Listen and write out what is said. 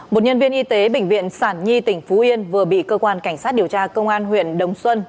một nhân viên y tế bệnh viện sản nhi tỉnh phú yên vừa bị cơ quan cảnh sát điều tra công an huyện đồng xuân